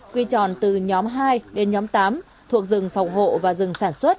quy tròn từ nhóm hai đến nhóm tám thuộc rừng phòng hộ và rừng sản xuất